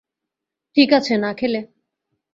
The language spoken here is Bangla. ঠিক আছে, না খেলে।